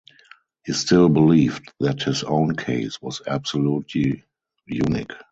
He still believed that his own case was absolutely unique.